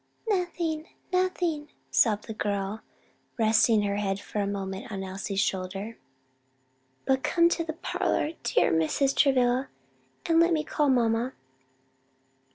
"Nothing! nothing!" sobbed the girl, resting her head for a moment on Elsie's shoulder; "But come into the parlor, dear Mrs. Travilla, and let me call mamma."